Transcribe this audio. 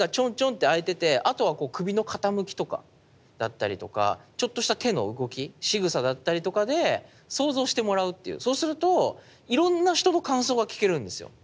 ッて開いててあとは首の傾きとかだったりとかちょっとした手の動きしぐさだったりとかで想像してもらうっていうそうするといろんな人の感想が聞けるんですよ。